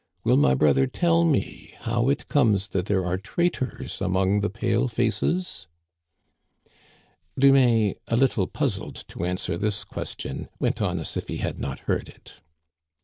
Will my brother tell me how it comes that there are traitors among the pale faces ?" Dumais, a little puzzled to answer this question, went on as if he had not heard it.